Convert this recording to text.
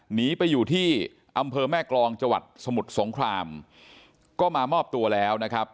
หนีไปอยู่ที่อำเภอแม่กรองจังหวัดสมุทรสงครามก็มามอบตัวแล้วนะครับ